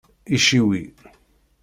Iciwi.